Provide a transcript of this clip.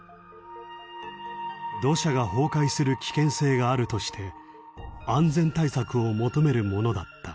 土砂が崩壊する危険性があるとして安全対策を求めるものだった。